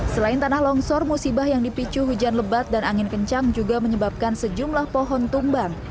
selain tanah longsor musibah yang dipicu hujan lebat dan angin kencang juga menyebabkan sejumlah pohon tumbang